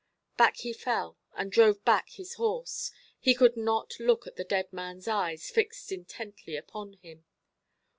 Back he fell, and drove back his horse; he could not look at the dead manʼs eyes fixed intently upon him.